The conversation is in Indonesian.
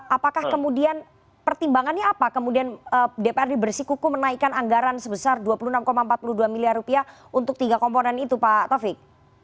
apakah kemudian pertimbangannya apa kemudian dprd bersikuku menaikkan anggaran sebesar rp dua puluh enam empat puluh dua miliar rupiah untuk tiga komponen itu pak taufik